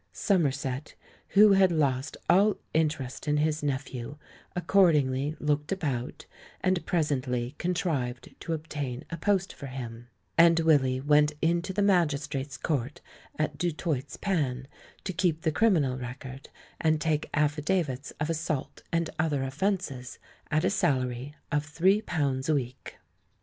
Somerset, who had lost all in terest in his nephew, accordingly looked about, and presently contrived to obtain a post for him ; and Willy went into the Magistrate's Court at Du Toit's Pan, to keep the Criminal Record, and take affidavits of assault and other offences, at a salary of three pounds a week.